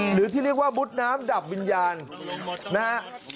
หรือที่เรียกว่ามุดน้ำดับวิญญาณนะฮะ